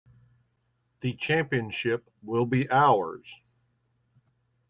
The championship will be ours!